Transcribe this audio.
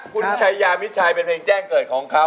คุณชายามิดชัยเป็นเพลงแจ้งเกิดของเขา